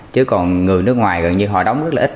chứ còn người nước ngoài gần như họ đóng rất là ít